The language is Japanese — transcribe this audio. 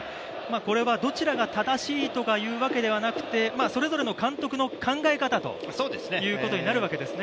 これはどちらが正しいというわけではなくてそれぞれの監督の考え方ということになるわけですね。